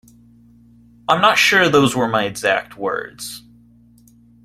I'm not sure those were my exact words.